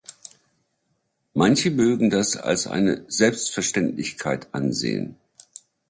Manche mögen das als eine Selbstverständlichkeit ansehen.